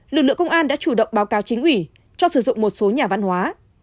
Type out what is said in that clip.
lực lượng công an đã chủ động báo cáo chính ủy cho sử dụng một số nhà văn hóa